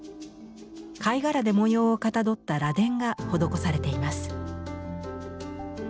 貝殻で模様をかたどった「螺鈿」が施されています。